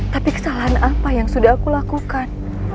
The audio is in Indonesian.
tapi kesalahan apa yang sudah aku lakukan